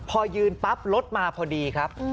พอยืนปั๊บรถมาพอดีครับ